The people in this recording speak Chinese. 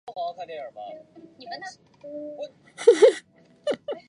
其中一个入球出现在这个赛季的最后一天并帮助他所在的球队晋级到德乙联赛。